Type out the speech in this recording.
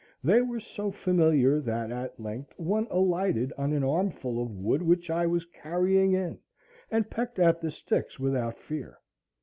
They were so familiar that at length one alighted on an armful of wood which I was carrying in, and pecked at the sticks without fear.